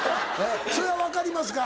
それは分かりますか？